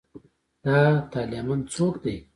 دا طالېمن څوک دی.